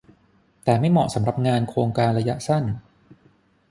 แต่ไม่เหมาะสำหรับงานโครงการระยะสั้น